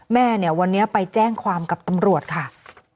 แม่เนี่ยวันนี้ไปแจ้งความกับตำรวจค่ะ